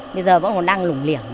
bây giờ vẫn còn đang lủng liểng